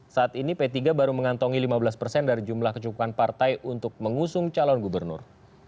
saat ini p tiga baru mengantongi lima belas persen dari jumlah kecukupan partai untuk mengusung calon gubernur